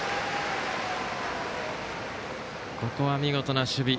ここは見事な守備。